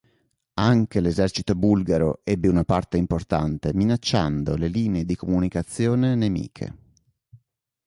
Anche l'esercito bulgaro ebbe una parte importante minacciando le linee di comunicazione nemiche.